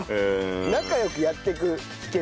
仲良くやっていく秘訣？